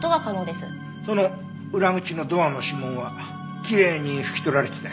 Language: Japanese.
その裏口のドアの指紋はきれいに拭き取られてたよ。